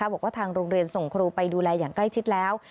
บอกว่าทางโรงเรียนส่งครูไปดูแลอย่างใกล้ชิดแล้ว